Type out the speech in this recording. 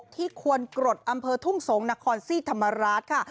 ที่ควรกรดอำเภอทุ่งสงฆ์นักคอนศรีธรรมรัฐค่ะ